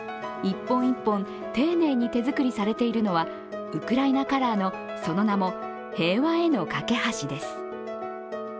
１本１本丁寧に手作りされているのはウクライナカラーのその名も平和への架け箸です。